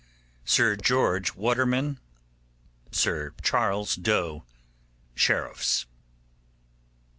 SIR GEORGE WATERMAN SIR CHARLES DOE, Sheriffs.